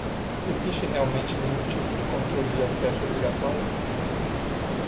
Existe realmente nenhum tipo de controle de acesso obrigatório?